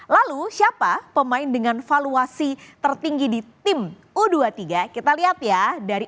lalu siapa pemain dengan valuasi tertinggi di tim u dua puluh tiga kita lihat ya dari